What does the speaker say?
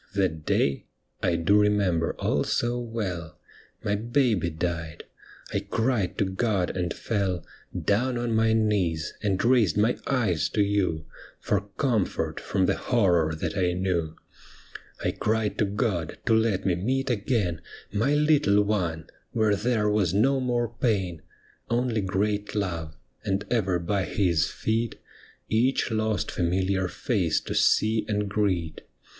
That day — I do remember all so well — My baby died, I cried to God and fell Down on my knees, and raised my eyes to you For comfort from the horror that I knew. < THE ME WITHIN THEE BLIND !' 99 I cried to God to let me meet again My little one, where there was no more pain, Only great love. And ever by His feet Each lost familiar face to sec and greet.